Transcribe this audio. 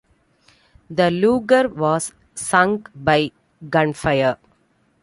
The lugger was sunk by gunfire.